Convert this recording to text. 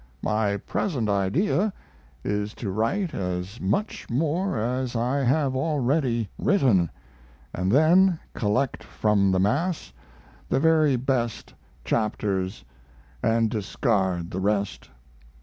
My present idea is to write as much more as I have already written, and then collect from the mass the very best chapters and discard the rest.